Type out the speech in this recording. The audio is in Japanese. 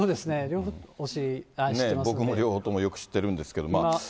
僕も両方ともよく知ってるんですけど。